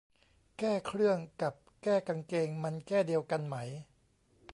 แก้เครื่องกับแก้กางเกงมันแก้เดียวกันไหม